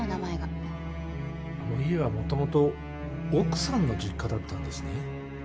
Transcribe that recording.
あの家はもともと奥さんの実家だったんですね。